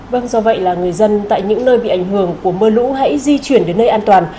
vâng do vậy là người dân tại những nơi bị ảnh hưởng của mưa lũ hãy di chuyển đến nơi an toàn